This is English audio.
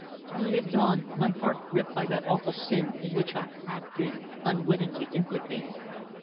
I lived on, my heart gripped by that awful sin in which I had been unwittingly implicated.